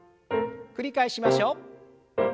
繰り返しましょう。